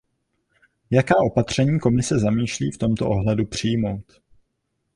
Jaká opatření Komise zamýšlí v tomto ohledu přijmout?